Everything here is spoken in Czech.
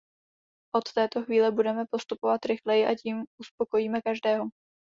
Od této chvíle budeme postupovat rychleji, a tím uspokojíme každého.